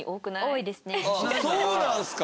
そうなんすか。